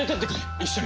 一緒に。